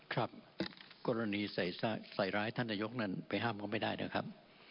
ครับกรณีใส่ร้ายท่านนายกนั้นไปห้ามก็ไม่ได้นะครับ